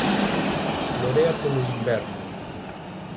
Florea polo inverno.